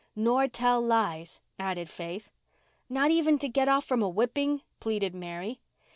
"Nor tell lies," added Faith. "Not even to get off from a whipping?" pleaded Mary.